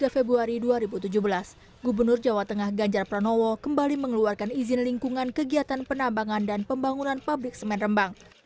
dua puluh februari dua ribu tujuh belas gubernur jawa tengah ganjar pranowo kembali mengeluarkan izin lingkungan kegiatan penambangan dan pembangunan pabrik semen rembang